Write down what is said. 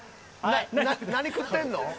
何食ってんの。